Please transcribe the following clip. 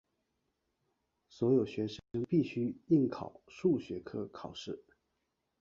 所有学生必须应考数学科考试。